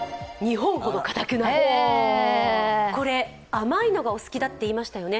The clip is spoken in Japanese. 甘いのがお好きだって言いましたよね。